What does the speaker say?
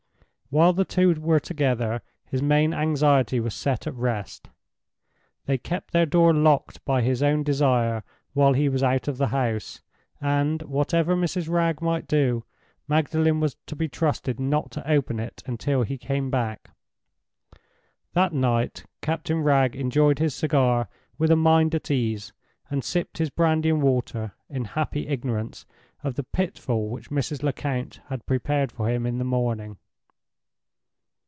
While the two were together, his main anxiety was set at rest. They kept their door locked by his own desire while he was out of the house, and, whatever Mrs. Wragge might do, Magdalen was to be trusted not to open it until he came back. That night Captain Wragge enjoyed his cigar with a mind at ease, and sipped his brandy and water in happy ignorance of the pitfall which Mrs. Lecount had prepared for him in the morning.